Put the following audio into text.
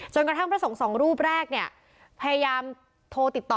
กระทั่งพระสงฆ์สองรูปแรกเนี่ยพยายามโทรติดต่อ